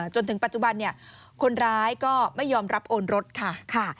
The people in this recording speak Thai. จนถึงปัจจุบันคนร้ายก็ไม่ยอมรับโอนรถค่ะ